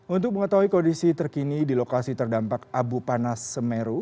untuk mengetahui kondisi terkini di lokasi terdampak abu panas semeru